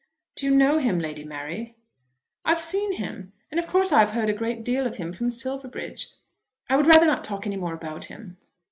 "Do you know him, Lady Mary?" "I have seen him, and of course I have heard a great deal of him from Silverbridge. I would rather not talk any more about him."